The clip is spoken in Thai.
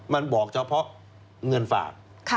มันบอกเฉพาะเงินฝาก